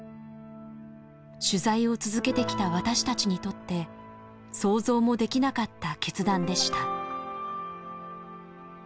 取材を続けてきた私たちにとって想像もできなかった決断でした。